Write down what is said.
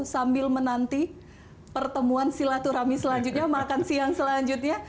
sambil menanti pertemuan silaturahmi selanjutnya makan siang selanjutnya